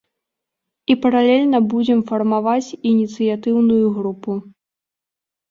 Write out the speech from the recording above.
І паралельна будзем фармаваць ініцыятыўную групу.